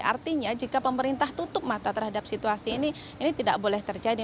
artinya jika pemerintah tutup mata terhadap situasi ini ini tidak boleh terjadi